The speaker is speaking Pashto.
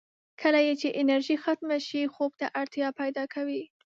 کله یې چې انرژي ختمه شي، خوب ته اړتیا پیدا کوي.